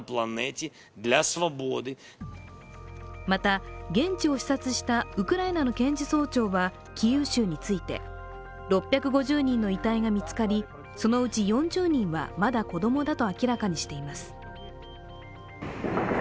また、現地を視察したウクライナの検事総長はキーウ州について、６５０人の遺体が見つかり、そのうち４０人はまだ子供だと明らかにしています。